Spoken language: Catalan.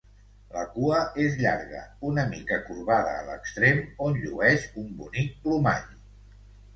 La cua és llarga, una mica corbada a l'extrem, on llueix un bonic plomall.